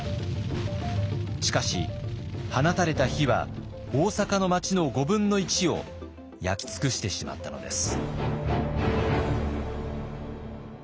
しかし放たれた火は大坂の町の５分の１を焼き尽くしてしまったのです。